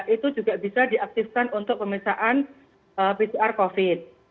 itu juga bisa diaktifkan untuk pemeriksaan pcr covid